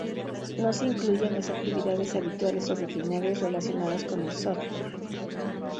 No se incluyen las actividades habituales o rutinarias relacionadas con el software.